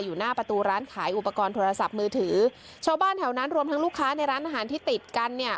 อยู่หน้าประตูร้านขายอุปกรณ์โทรศัพท์มือถือชาวบ้านแถวนั้นรวมทั้งลูกค้าในร้านอาหารที่ติดกันเนี่ย